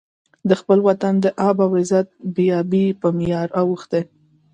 د خپل وطن د آب او عزت بې ابۍ په معیار اوښتی.